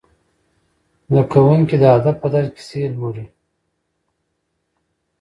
زده کوونکي د ادب په درس کې کیسې لوړي.